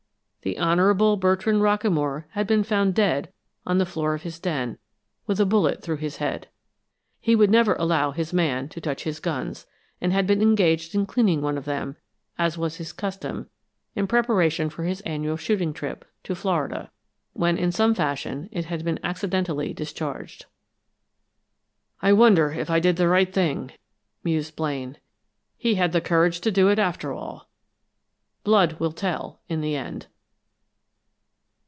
The Honorable Bertrand Rockamore had been found dead on the floor of his den, with a bullet through his head. He would never allow his man to touch his guns, and had been engaged in cleaning one of them, as was his custom, in preparation for his annual shooting trip to Florida, when in some fashion it had been accidentally discharged. "I wonder if I did the right thing!" mused Blaine. "He had the courage to do it, after all. Blood will tell, in the end."